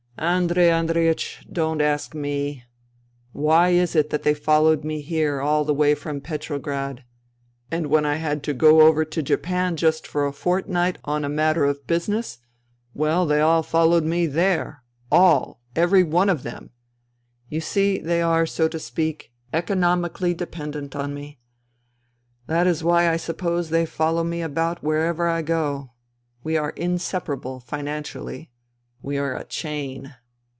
" Andrei Andreiech, don't ask me. Why is it that they followed me here all the way from Petro grad ? And when I had to go over to Japan just for a fortnight on a matter of business ... well, th^y all followed me there ... all ... every one of them !... You see, they are, so to speak, economically dependent on me. That is why I suppose they follow me about wherever I go. We are inseparable — financially. We are a chain.